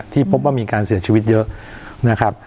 ที่พบว่ามีการเสียชีวิตเยอะ